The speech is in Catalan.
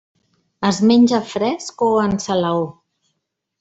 Es menja fresc o en salaó.